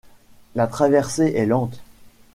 La traversée est lente.